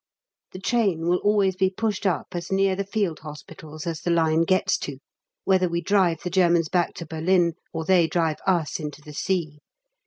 The train will always be pushed up as near the Field Hospitals as the line gets to, whether we drive the Germans back to Berlin or they drive us into the sea.